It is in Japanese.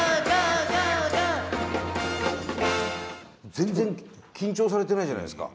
全然緊張されてないじゃないですか。